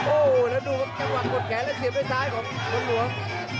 โอ้แล้วดูกระหว่างกดแขนและเสียบด้วยซ้ายของคนหลวง